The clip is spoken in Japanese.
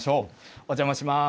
お邪魔します。